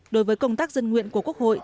đối với công tác dân nguyện của quốc hội